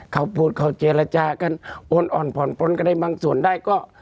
เขาพูดเขาเจรจากันโอนอ่อนผ่อนปนกันได้บางส่วนได้ก็